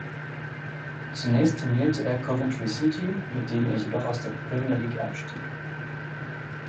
Zunächst trainierte er Coventry City, mit denen er jedoch aus der Premier League abstieg.